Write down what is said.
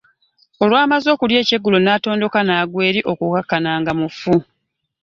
Olwamaze okulya ekyeggulo natondoka naggwa eri okukkakkana nga mufu.